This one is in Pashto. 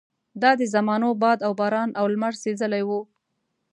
دا د زمانو باد او باران او لمر سېزلي وو.